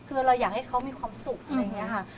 คือเราอยากให้เขามีความสุขอะไรอย่างนี้ค่ะ